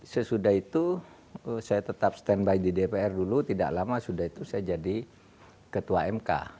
sesudah itu saya tetap standby di dpr dulu tidak lama sudah itu saya jadi ketua mk